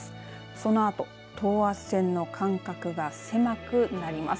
そのあと等圧線の間隔が狭くなります。